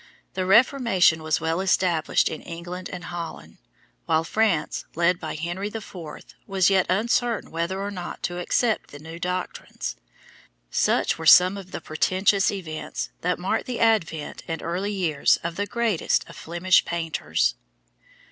The Reformation was well established in England and Holland, while France, led by Henry IV., was yet uncertain whether or not to accept the new doctrines. Such were some of the portentous events that marked the advent and early years of the greatest of Flemish painters.